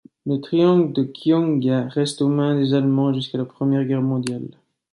Le triangle de Quionga reste aux mains des Allemands jusqu'à la Première Guerre mondiale.